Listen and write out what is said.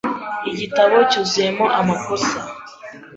Iki gitabo cyuzuyemo amakosa .